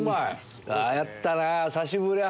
あやったな。